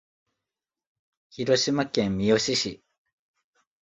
広島県三次市